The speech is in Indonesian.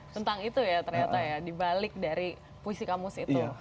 tentang itu ya ternyata ya dibalik dari puisi kamus itu